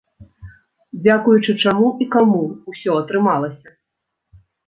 Дзякуючы чаму і каму ўсё атрымалася?